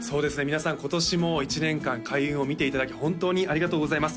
皆さん今年も一年間開運を見ていただき本当にありがとうございます